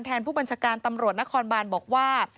ผู้บัญชาการตำรวจนครบานบอกว่า